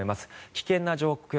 危険な状況